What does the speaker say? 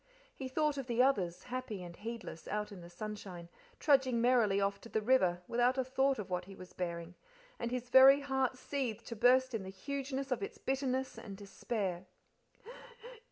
He thought of the others, happy and heedless, out in the sunshine, trudging merrily off to the river, without a thought of what he was bearing, and his very heart seethed to burst in the hugeness of its bitterness and despair.